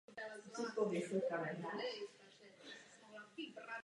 K výročí Slovenského národního povstání připravovala rozhlasová pásma.